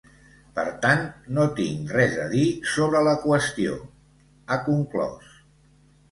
Per tant, ‘no tinc res a dir sobre la qüestió’, ha conclòs.